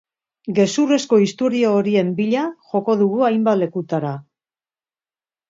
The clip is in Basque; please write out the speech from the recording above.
Gezurrezko istorio horien bila joko dugu hainbat lekutara.